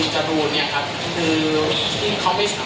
ในส่วนของครูบิชัพ